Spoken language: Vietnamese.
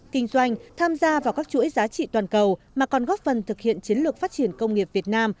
kinh doanh tham gia vào các chuỗi giá trị toàn cầu mà còn góp phần thực hiện chiến lược phát triển công nghiệp việt nam